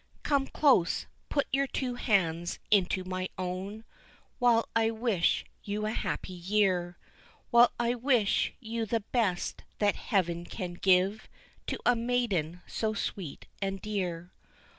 Come close put your two hands into my own While I wish you a happy year, While I wish you the best that heaven can give To a maiden so sweet and dear.